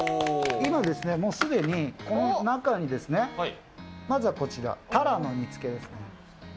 今ですね、もうすでにこの中に、まずはこちら、タラの煮つけですね。